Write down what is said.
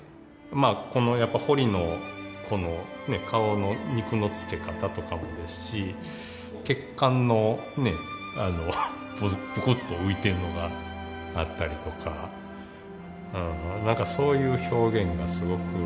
まあこのやっぱ彫りのこのね顔の肉のつけ方とかもですし血管のねぷくっと浮いているのがあったりとかなんかそういう表現がすごく